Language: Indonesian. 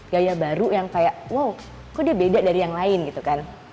gaya baru yang kayak wow kok dia beda dari yang lain gitu kan